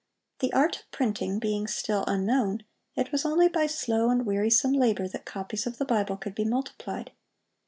The art of printing being still unknown, it was only by slow and wearisome labor that copies of the Bible could be multiplied.